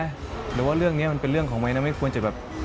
หรือว่าเรื่องนี้มันเป็นเรื่องของวัยนะไม่ควรจะแบบ